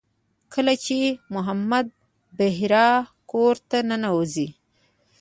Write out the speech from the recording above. کله چې محمد د بحیرا کور ته ننوځي.